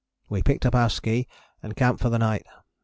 We picked up our ski and camped for the night.